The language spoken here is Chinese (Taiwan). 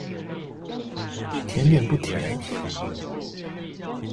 甜點不甜